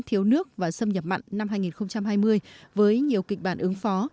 thiếu nước và xâm nhập mặn năm hai nghìn hai mươi với nhiều kịch bản ứng phó